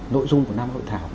nội dung của năm hội thảo